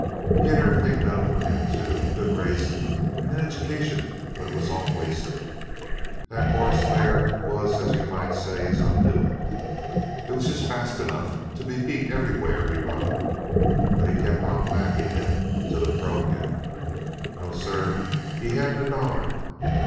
He had everything done fur him, too good raisin' and an education, but it was all wasted. That horse there was, as you might say, his undoin'. It was just fast enough to be beat everywhur he run him. But he kept on backin' him till it broke him no, sir, he hadn't a dollar!